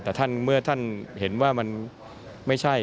แต่เมื่อท่านเห็นว่ามันไม่ใช่